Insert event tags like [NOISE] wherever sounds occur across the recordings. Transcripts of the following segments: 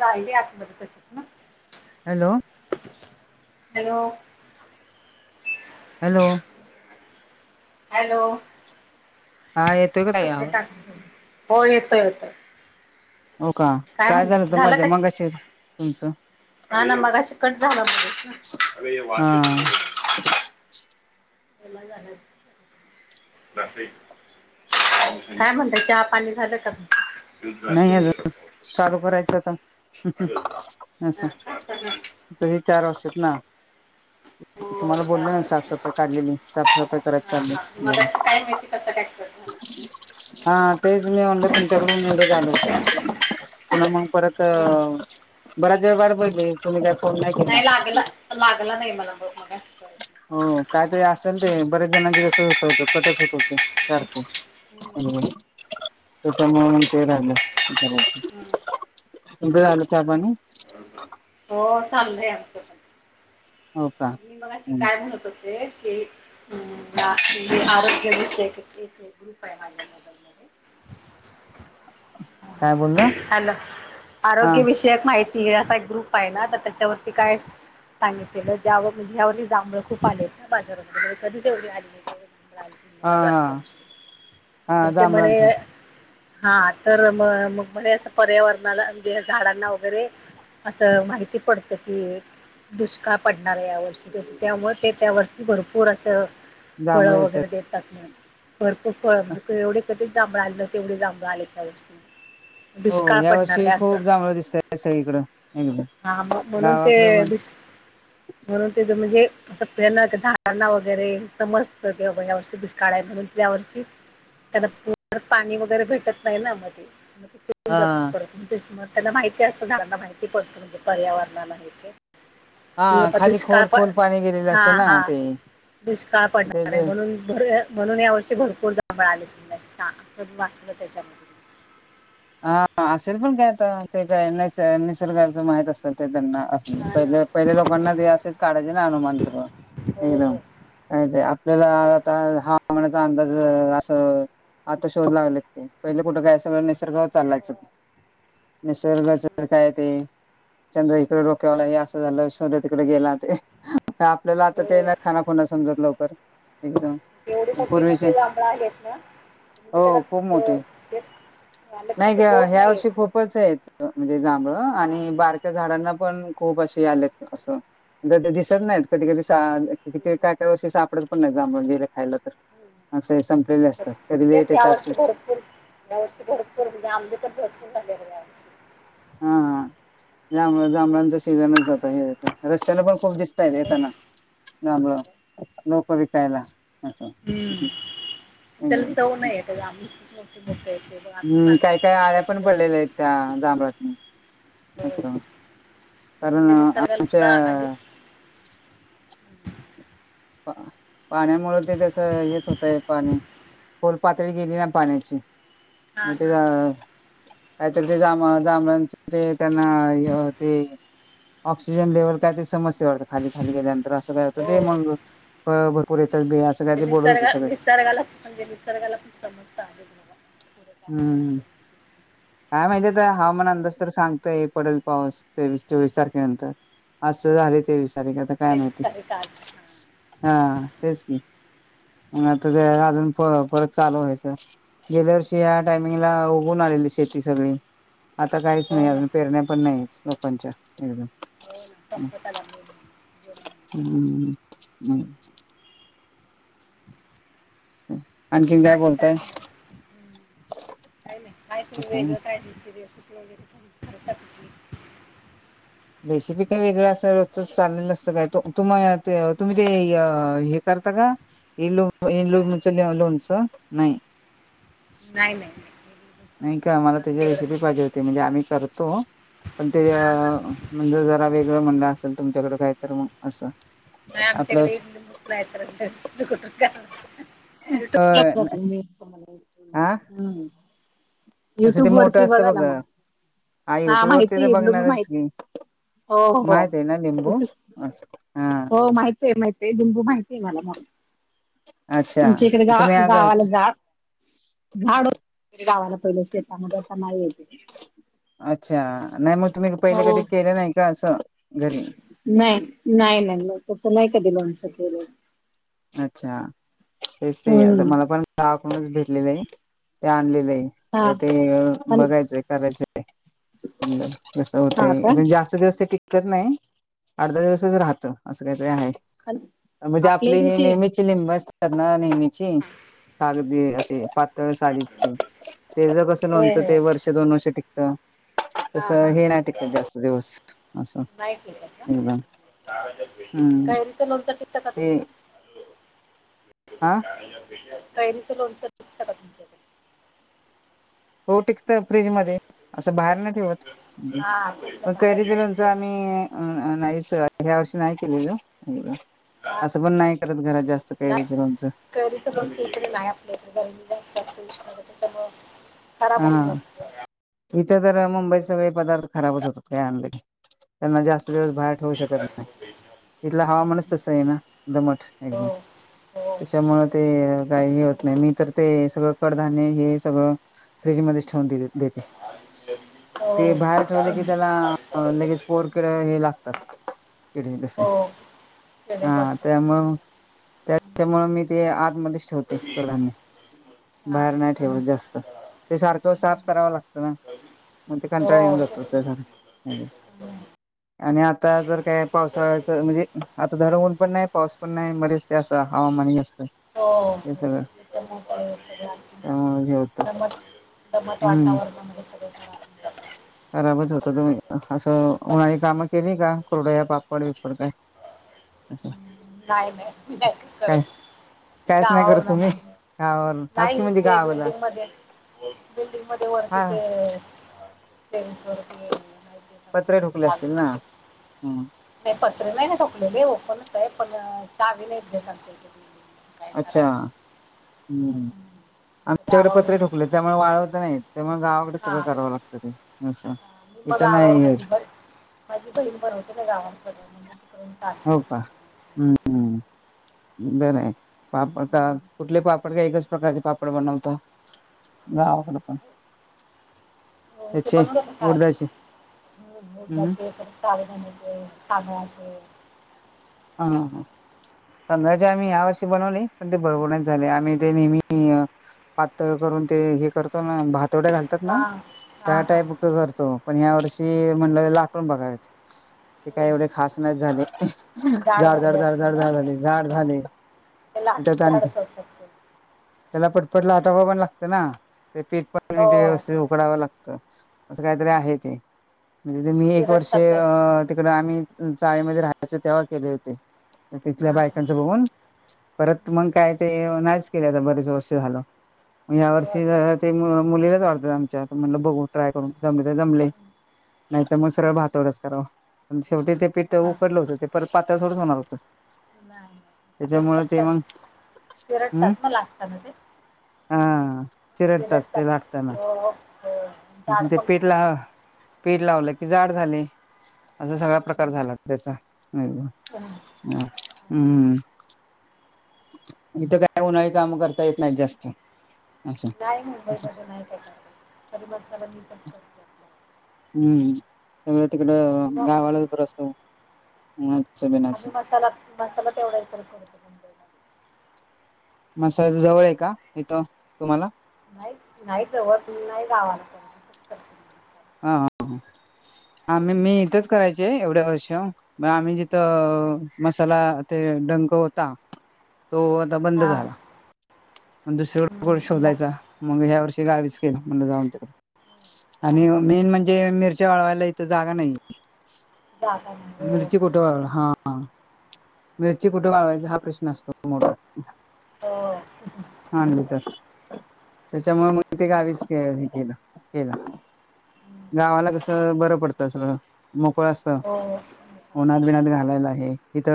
काहिली आठमध्ये तशीच ना. हॅलो. हॅलो. हॅलो. हॅलो हा येतोय का ताई टा आवाज हो येतोय येतोय. हो का काय झालं होत मध्ये मगाशी तुमचं ह ना मगा कट झाला. हा मला झालंच काय म्हणता चहा पाणी झाल का. नाही अजून चालू करायचं आता असं. हा त हे चार वाजत्यात ना. हो तुम्हाला बोलल झालं ना असेल साफसफाई काढलेली साफसफाई कराय हा चालली हा जरा. मगाशी [UNINTELLIGIBLE] हा तेच मी [UNINTELLIGIBLE] तुमच्याकडून नेले. पुन्हा मग परत हम्म बऱ्याच वेळ वाढ बघितली तुम्ही काय फोन केला नाही लागला लागला नाही मला ब मला शिकवाय. हो कायतरी असेल ते बर्याच जणांचे तस होत होत कटत होत हो ते सारखे हम्म होतं मेन ते राहिलं विचारायचं. हम्म. तुमचं झालं चहा पानू. हो चाललंय आमचं पण. हो का तर मी मग अशी काय म्हणत होते क आरोग्य विषयक काय बोलला [UNINTELLIGIBLE] हॅलो हा आरोग्य विषयक माहिती ती असा एक ग्रुप आहे ना तर त्याच्यावरती काय सांगितलेलं ज्याव म्हणजे यावरती जांबळ खूप आले आहेत ना बाजामध्ये कधी जवे आली हा ते हा हा तर ते म्हणे जांभळांचं हा तर मग मग म्हर असं पर्यावरणाला म्हणजे झाडांना वगैरे असं माहिती पडत की दुष्काळ पडणार आहे यावर्षी त्याचं त्यामुळ ते त्या वर्षी भरपूर असं जांभळ फळं वगैरे येतात देतात भरपूर फळ म्हणजे एवढे जांभळा आली ना तेवढे जांभळ आले या वर्षी. हो दुष्काळ या पडणार आहे वर्षी असं खूप जांभळ दिसत आहेत सगळीकडं एकदम हा मग म्हणून ते गावाकडं पण दुष् [UNINTELLIGIBLE] म्हणून ते म्हणजे अस डांना वगैरे समजत या वर्षी दुष्काळ आहे म्हणून त्यांना पाणी वगैरे भेटत नाही ना मध्ये [UNINTELLIGIBLE] हा त्यांना माहिती असतं झाडांना माहिती पडत म्हणजे पर्यावरणाला वगैरे हा आता खाली दुष्काळ खोल प खोल पाणी गेलेलं हा असतं ना हा. ते दुष्काळ ते पडणारय ते म्हणून भर म्हणून या वर्षी भरपूर जांभळ आले असं वाटलं त्याच्यामध्ये. हा असेल पण काय आता ते काय नैस निसर्गाच माहित असत त्यांना अस हा पहिल ना पहिल्या लोकांना ते असेच काढायचे ना अनुमान सगळा हो एकदम हो का ते आपल्याला तसंच आता हा [UNINTELLIGIBLE] अंदाज अस आता शोध लागलेत ते, पहिल कुठे काय सगळ निसर्ग हो चाललायचं निसर्गाच काय ते चंद्र इकडे रोख्यावला, असं झालं. सूर्य तिकडे गेला ते आपल्याला आता ते हो ना, खाना खुणा समजत लवकर. एकदम एवढे मोठे पूर्वीचे मोठे जांभळ आहेत ना. म्हणजे हो त्याला खूप मोठे [UNINTELLIGIBLE] नाही ह्या नाही वर्षी येत खूपचयत, म्हणजे जांभळ हा आणि बारक झाडा पण खूप असे आलेत, अस दिसत नाहीत. कधी कधी [UNINTELLIGIBLE] तिथं काय - काय वर्षी सापडत पण नाहीत जांभळं गेले खायला तर असे संपलेले असतात कधी लेट तेच या येतात वर्षी भरपूर, या वर्षी भरपू [UNINTELLIGIBLE] हा जांभळ, जांभळांचा सीजनच जात हे रस्त्याला पण खूप हो, दिसतयेत हो, येताना, जांबळ, हो. लोकं विकायला. हम्म, असं त्याला चव नाही [UNINTELLIGIBLE] हम्म, पांढरे काही काय पांढरे आळ्या चव पण पूर्ण पडलेल्या आहेत त्या, जांभळातनी अस होय. कारण म्हणजे निसर्गाला सुद्धा आमच्या आधीच पा पाण्यामुळे ते जसं हेच होतय, पाणी खोल पातळी गेली ना पाण्याची, हा मग ते हा अ काहीत ते जाम जभळांच ते त्यांना ते य ते ऑक्सिजन लेवल का ते समस्या होतं, खाली - खाली गेल्यानंतर असं काय होतं ते हो मंग भरपूर येत म्हणजे निसर्ग - निसर्गाला म्हणजे निसर्गाला पण समजत आहेच बघ. हम्म्, काय माहितीय तर म्हणून तेच हवामान अंदाज सांगत तर सांगतयहा पडेल पाऊस, तेवीस चोवीस तारखेनंतर. आज झाले तेवीस तारीख आता काय तेवीस माहिती? तारीख आज हा. हा तेच की. [UNINTELLIGIBLE] ग आता ते अजून प परत चालू व्हायचं, गेल्या वर्षी या टायमिंगला उघून आलेली शेत. ती सगळी. आता काहीच हो नाही, ना अजून पेरण्या पण नाही, लोकांच्या हो ना एकद संपत आला मे महिना जून महिना [UNINTELLIGIBLE] आणखीन काय बाकी बोलताय? नाही. हम्म. काय नाही, काय तरी काही नाही वेगळं काय [UNINTELLIGIBLE] रेसिपी वगैरे. [UNINTELLIGIBLE] रेसिपी काही वेगळं असं र चाललेलं असतं काय तुम्हा त तुम्ही ते हे कर काय? [UNINTELLIGIBLE] [UNINTELLIGIBLE] नाही नाही नाही इडलीच का मला त्याची आमच्याकडे रेसिपी पाहिजे होती, म्हणजे आम्ही करतो पण ते अ हा हा म्हणजे जरा वेगळं म्हणलं असेल तुमच्याकडे काय तर मग असं नाही आपलं आमच्याकडे इडली होय हा [UNINTELLIGIBLE] [UNINTELLIGIBLE] हम असं ते मोठं असतं बघा. हा युट्यूब वरती माहिती तर लिंबू बघणारच माहिती की हो हो माहितीये ना लिंबू, [UNINTELLIGIBLE] हा. हो माहितय, माहितय. लिंबू माहितीय मला [UNINTELLIGIBLE] अच्छा आमच्या इकडे तुम्ही गाव अगर गावाला झाड, झाड गावाला पहिले शेतामध्ये आता नाही येत अच्छा नाही मग तुम्ही पहिले हो कधी केलं नाही का असं घरी नाही नाही नाही लोणचं त्याच नाही कधी लोणचलं. अच्छा तेच ते आता हम्म मला पण गाकूनच भेटलेलं आहे ते आणलेलं आहे. हा आता ते पण बघायचं करायच. कस हा का होतण जास्त दिवस टि टिकत नाही. अर्धा दिवसच राहतं, असं काहीतरी आहे. म्हणजे [UNINTELLIGIBLE] आपली ही नेहमीची लिंब असतात ना. नेहमीची, कागदी ते पात तळ सालीची. तेज कस हो लोनचं हो ते वर्ष, दोन वर्ष टिकतं. तस हा हा हे नाही टिकत जास्त दिवस. असं, एकदम. [UNINTELLIGIBLE] हम्म कैरीच लोणचं टिकता का तुमच? आ कैरिचं लोनच टिकत का तुमच्याकडे? टिकतं, फ्रीज मध्ये, असं बाहेर नाही ठेवत. हा तसलं पण बाहेर कैरीच नाही लोणच आम्ही, टिकत अ नाहीच ह्या वर्षी नाही केलेलं. एवढं. हा असं पण नाही करत घरात जास्त, नाही कैरीचं लोणचं. कैरीचं लोणचं इकडे नाही आपल्या इकडे कारण जास्त असते उष्णता त्याच्यामुळ. खराब हो [UNINTELLIGIBLE] जात. इथे तर मुंबईत सगळे पदार्थ खराबच होतात काय आणल की, त्यांना जास्त दिवस बाहेर ठेवू शकत नाही. इथलं हवामानच हम्म. तसय ना, दमट हो एकदम. हो त्याच्यामुळे ते काही हे होत नाही. मी तर ते, सगळं कडधान्य हे सगळं फ्रीजमध्येच ठेवून दे देते. हो ते बाहेर ठेवले की हम्म. त्याला लगेच पोरकड हे लागतात. कीडे तसे हो किडे हा. पडतात त्याच्यात. त्यामु त्याच्यामुळ मी ते आत मध्येच ठेवते, कडधान्य. बाहेर नाही हम्म. ठेवत हा. जास्त. ते सारखं हम्म. साफ करावं लागतं ना. मग ते हो कंटाळ येऊन तेच ना. जातो [UNINTELLIGIBLE] [UNINTELLIGIBLE] हम्म. आणि आता जर काय पावसाळ्याच म्हणजे, आता धड ऊन पण नाही, पाऊस पण नाही. मध्येच ते अस हवामान हे असतं. हो हो, ते सगळं [UNINTELLIGIBLE] होत. दमट दमट वातावरण मध्ये सगळं, खराब होऊन जातं. खराबच होत. तुम्ही असं बट उन्हाळी कामं केली का? कुरवडया, पापड, बिपड काय? अच्छा. नाही, नाही मी [UNINTELLIGIBLE] करत. कायच नाही करत गावावरून तुम्ही आणते मी. गावावर हाच की नाही म्हणजे इथे गावाला बिल्डिंग मध्ये बिल्डिंग मध्ये वरचे हा ते टेरिस वरती पत्रे [UNINTELLIGIBLE] ठोकले चालू असतील ना हम्म आहे. पत्र नाही ना ठोकलेले, ओपनचय. पण चावी नाहीत देत आमच्याकडे. अच्छा, हम्म आमच्याकडे पत्रे गावावरूनच ठोकलेत त्यामुळे, वाळवता नाही येत. त्यामुळे गावाकडे हा सगळं का? करावं लागतं ते. असं, हा, मी मग इथं गावावर नाही माझी येत. ब माझी बहीण बनवते ना, गावात मी [UNINTELLIGIBLE] म्हणजे तीकडूनच आनते हो तिच्याकडून. [UNINTELLIGIBLE] बरंय. पाप आता कुठले पापड? पापड एकाच प्रकारचे पापड बनवता. गावाकड पण हो ते त्याचे बनवल का सात. उडदाचे हम्म मुग-उडदाचं, साबुदाण्याचं, तांदळाचे. हा, हा. तांदळाचे हम्म. आम्ही या वर्षी बनवले, पण ते बरोबर नाहीच झाले. आम्ही ते नेहमी पातळ करून ते हे करतों ना, भातोड्या घालतात ना, हा त्या हा हा. टाईप करतो. पण ह्या वर्षी म्हणल, लाटून बघावेत. ते काय हम्म. एवढे खास नाही झाले. [UNINTELLIGIBLE] जाड, झाले जाड, जाड, असतील जाड ना? झाले, जाड हा. झाले. ते न लाटून त्यात आणखी, जाडच असतात ते. त्याला पटपट लाट व पणं लागत ना, ते पीठ पण हो. नीट, व्यवस्थित उकडावं लागतं. असं कांहीतरी हम्म. आहे ते म्हणजे मी एक वर्ष चिरडतात नाहीतर. अ तिकडं आम्हीं चाळींमध्ये रहायचो तेव्हा केले होतें हा तिथल्या हा. बायकांच बघून परत हम्म. मंग काय ते नाहींच केलें आता बरेच वर्ष झालंय या होय. वर्षी ते मुलीलाच वाढतात आमच्या म्हणू बघू ट्राय करून जमले जमले हम्म. मंग नाही हा तर हा. भातोडयाच कराव शेवटीं ते पीठ हा. उकडलं होतं ते परत पातळ थोडीच होणारं होतं नाही त्याच्यामुळे ते चिरळता मग चिरळतात हम्म ना मंग लागताते हा चिरडतात ते लावतांना अ, अ, जाड म्हणजे पण पीठ होतात ला ते. पीठ लावल की जाड झाले. असा सगळा प्रकार झाला त्यांचा हम्म हं. इथं काय उन्हाळी काम करता येतं नाहीत जास्तं नाहीं मुंबई मध्यें नाहीं करत मीठच करतो आपला. हम्म.... आत तिकडं किंवा गावाला बरा असतों मंग आम्हीं मसाला मसाला तेवढाई करतो. मुंबईमध्ये मसाल्याच जवळ आहेका इथं तुम्हाला नाहीं जवळ नाहीं गावांत हा आम्हीं मी इथंच मसाला. करायचे एवढ्या वर्ष मंग आम्ही हं. जिथं मसाला ते डंक होता. तो आता बंद हां झालाय दुसरीकडे कुठे हं, ला- शोधायचा मंग ह्या वर्षी मी गावीच गेलो म्हटलं जाऊनदे हा मेन म्हणजे मिर्च्या वाळवायला इथं जागा नाहीं जागा नाही हो मिर्ची कुट वाळवण तोपर्यंत. हा तेच मिेरची ना. कुठे वाळवायची हा प्रश्नच असतों हो त्यांच्यामुळे मंग हं, ते गावीच के हे केलं हं. गावाला कसं बरं पडतं सगळ मोकळ असतं हो. मोठा उन्हात असतो. बिनात घालायला ही ईथ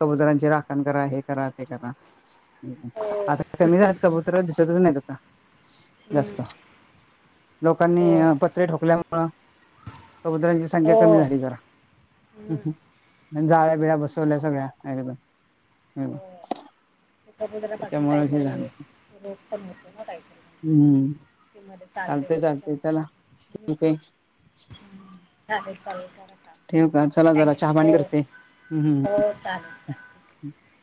कबूतरांची राखणं करा हे करा ते करा हो. आता कमी झाल्यात कबुतर दिसतच नाहीं बघा हं. जास्तं होय. लोकांनीं पत्रें ठोकल्यामुंळ कबुतरांची संख्या कमी हो. झाली जरा हं. जाळ्या बिळ्या बस टोले सगळ्यांना मिळाले अगोदरापासून कांहीतरी लोकं पणं होतों ना काही हम्म त्या चालेल चालतय चालतय चला ओके चालेल काम. ठेव का चला चला चहा थँक्यू. पाणी हो. करते. हम् हो चालेल चालेल. [INAUDIBLE]